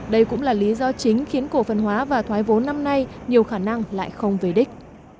đây cũng là lý do chính khiến cổ phần hóa và thoái vốn năm nay nhiều khả năng lại không về đích